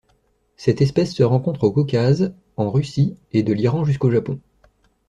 Cette espèce se rencontre au Caucase, en Russie et de l'Iran jusqu'au Japon.